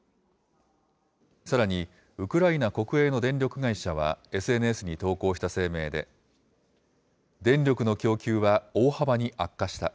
さらにウクライナ国営の電力会社はＳＮＳに投稿した声明で、電力の供給は大幅に悪化した。